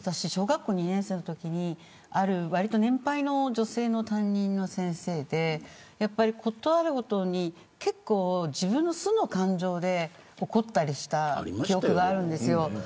私、２年生のときにある年配の女性の担任の先生で事あるごとに自分の素の感情で怒ったりした記憶があるんです。